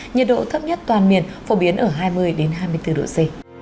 nhiệt độ thấp nhất toàn miền phổ biến ở hai mươi hai mươi bốn độ c